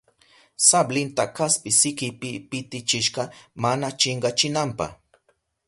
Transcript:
Sablinta kaspi sikipi pitichishka mana chinkachinanpa.